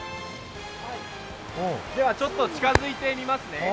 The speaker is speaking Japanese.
ではちょっと近づいてみますね。